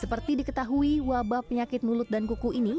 setelah mengetahui wabah penyakit mulut dan kuku ini